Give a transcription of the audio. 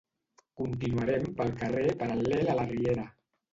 Continuarem pel carrer paral·lel a la riera